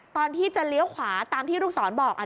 ตอนที่จะเลี้ยวขวาตามที่ลูกศรบอก